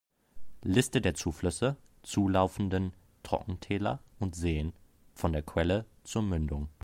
Liste der Zuflüsse, zulaufenden Trockentäler und Seen von der Quelle zur Mündung.